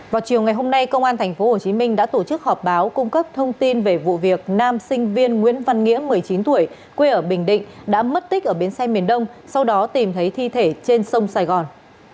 vào chiều ngày hôm nay công an tp hcm đã tổ chức họp báo cung cấp thông tin về vụ việc nam sinh viên nguyễn văn nghĩa một mươi chín tuổi quê ở bình định đã mất tích ở bến xe miền đông sau đó tìm thấy thi thể trên sông sài gòn